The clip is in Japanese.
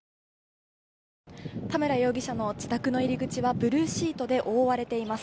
田村容疑者の自宅の入り口はブルーシートで覆われています。